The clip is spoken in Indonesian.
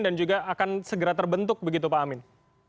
dan juga akan segera terbentuk begitu pak amin